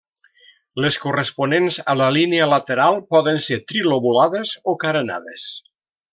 Les corresponents a la línia lateral poden ésser trilobulades o carenades.